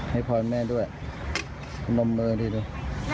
ให้พอลแม่ด้วยลมมือด้วยด้วย